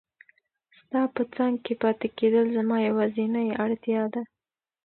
ستا په څنګ کې پاتې کېدل زما یوازینۍ اړتیا ده.